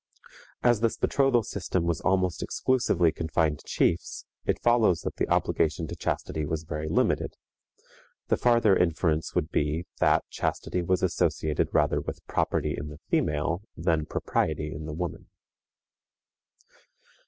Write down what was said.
As this betrothal system was almost exclusively confined to chiefs, it follows that the obligation to chastity was very limited. The farther inference would be, that chastity was associated rather with property in the female than propriety in the woman.